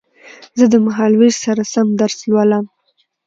زه د مهال وېش سره سم درس لولم